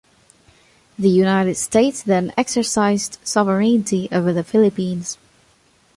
The United States then exercised sovereignty over the Philippines.